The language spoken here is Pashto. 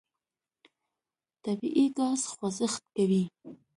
طبیعي ګاز خوځښت کوي.